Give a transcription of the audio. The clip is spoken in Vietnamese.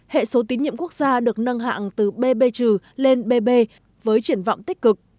hệ số tín nhiệm quốc gia được nâng hạng từ bb trừ lên bb với triển vọng tích cực